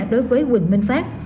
đối với huỳnh minh pháp